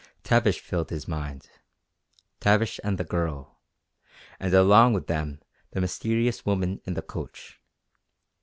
Tavish filled his mind Tavish and the girl and along with them the mysterious woman in the coach.